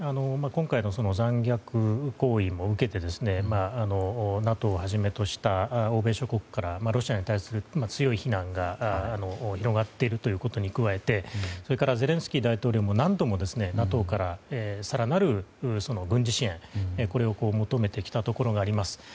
今回の残虐行為を受けてＮＡＴＯをはじめとした欧米諸国からロシアに対する強い非難が広がっていることに加えてそれからゼレンスキー大統領も何度もＮＡＴＯから更なる軍事支援を求めてきたところがあります。